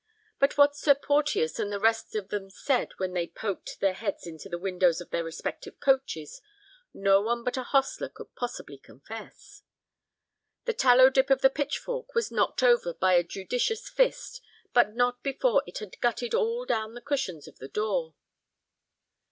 But what Sir Porteus and the rest of them said when they poked their heads into the windows of their respective coaches no one but a hostler could possibly confess. The tallow dip on the pitchfork was knocked over by a judicious fist, but not before it had gutted all down the cushions of the door.